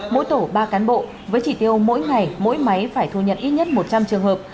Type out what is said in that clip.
mỗi tổ ba cán bộ với chỉ tiêu mỗi ngày mỗi máy phải thu nhận ít nhất một trăm linh trường hợp